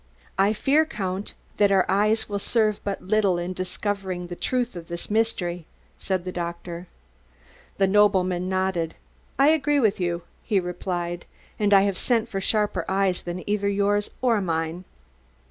"I fear, Count, that our eyes will serve but little in discovering the truth of this mystery," said the doctor. The nobleman nodded. "I agree with you," he replied. "And I have sent for sharper eyes than either yours or mine."